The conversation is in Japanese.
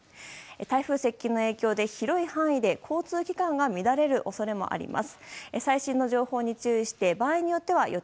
台風接近の影響で広い範囲で交通機関が乱れる恐れもあります。